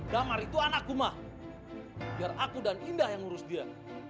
damar itu anakku mah biar aku dan indah yang ngurus dia